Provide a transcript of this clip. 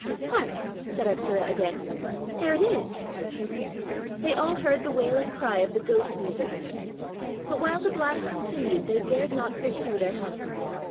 "Hark!" said Arctura again; "there it is!" They all heard the wailing cry of the ghost music. But while the blast continued they dared not pursue their hunt.